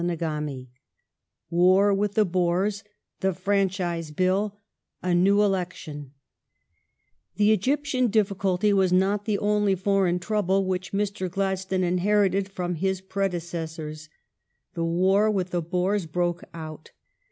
CHAPTER XXIX WAR WITH THE BOERS, THE FRANCHISE BILL, A NEW ELECTION The Egyptian difficulty was not the only foreign trouble which Mr. Gladstone inherited from his predecessors. The war with the Boers broke out.